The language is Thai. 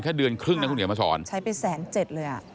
แค่เดือนครึ่งนะคุณเดี๋ยวมาสอนใช้ไปแสนเจ็ดเลยอ่ะ